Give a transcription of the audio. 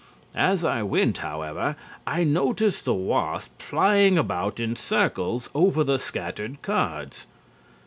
As I went, however, I noticed the wasp flying about in circles over the scattered cards.